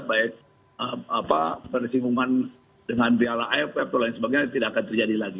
baik persinggungan dengan biara ifp dan sebagainya tidak akan terjadi lagi